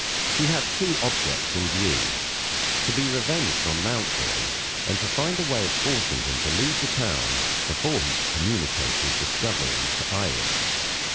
She had two objects in view to be revenged on Mountjoy, and to find a way of forcing him to leave the town before he could communicate his discoveries to Iris.